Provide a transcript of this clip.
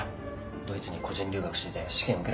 ドイツに個人留学してて試験を受けられなかっただけだ。